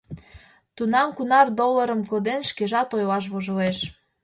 Тунам кунар долларым коден — шкежат ойлаш вожылеш.